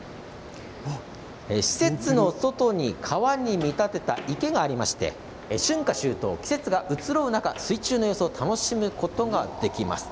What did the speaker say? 施設の外に川に見立てた池がありまして春夏秋冬、季節が移ろう中水中の様子を楽しむことができます。